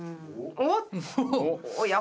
おっ！